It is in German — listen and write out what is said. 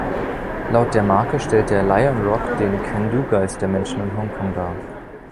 Laut der Marke stellt der Lion Rock „den ‚Can-do‘-Geist der Menschen in Hongkong“ dar.